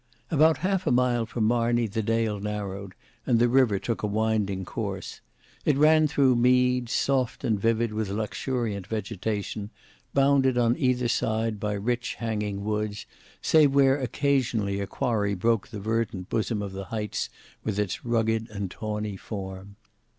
About half a mile from Marney, the dale narrowed, and the river took a winding course. It ran through meads, soft and vivid with luxuriant vegetation, bounded on either side by rich hanging woods, save where occasionally a quarry broke the verdant bosom of the heights with its rugged and tawny form.